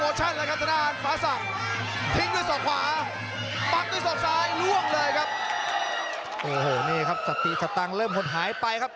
โอ้โหนี่ครับสติสตังค์เริ่มหดหายไปครับ